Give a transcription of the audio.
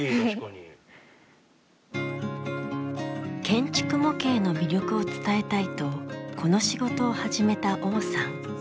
建築模型の魅力を伝えたいとこの仕事を始めた王さん。